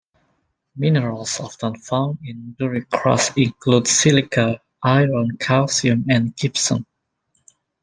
Minerals often found in duricrust include silica, iron, calcium, and gypsum.